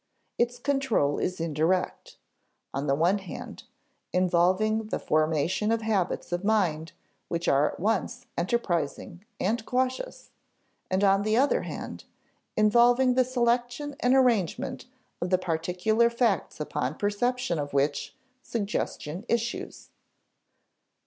Its control is indirect, on the one hand, involving the formation of habits of mind which are at once enterprising and cautious; and on the other hand, involving the selection and arrangement of the particular facts upon perception of which suggestion issues.